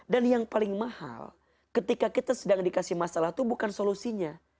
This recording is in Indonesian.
dan yang paling mahal ketika kita sedang dikasih masalah itu bukan solusinya